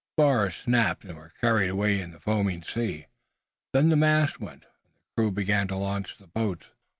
Spars snapped and were carried away in the foaming sea. Then the mast went, and the crew began to launch the boats.